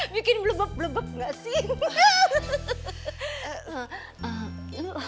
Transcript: bikin blubub blubub gak sih